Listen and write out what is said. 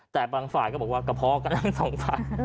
แต่บางฝ่ายก็บอกว่ากระเพาะกันทั้งสองฝ่าย